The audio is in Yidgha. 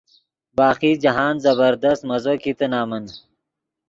باقی جاہند زبردست مزو کیتے نمن۔